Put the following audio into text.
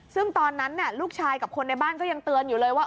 ซึ่งตอนนั้นลูกชายกับคนในบ้านก็ยังเตือนอยู่เลยว่า